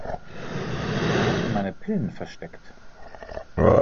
Wo habt ihr meine Pillen versteckt?